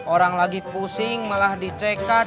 orang lagi pusing malah dicekat